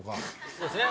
そうですね。